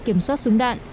kiểm soát súng đạn